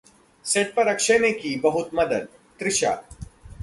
set पर अक्षय ने की बहुत मदद: तृषा